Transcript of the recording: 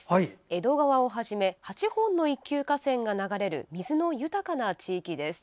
江戸川をはじめ８本の一級河川が流れる水の豊かな地域です。